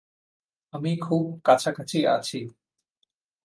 আমি খুব কাছাকাছি আছি।